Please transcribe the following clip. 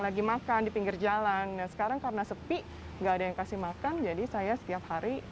lagi makan di pinggir jalan sekarang karena sepi enggak ada yang kasih makan jadi saya setiap hari